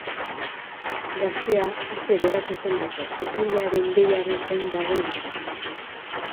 Gaztea aske geratu zen atzo, epailearen deiaren zain dagoen arren.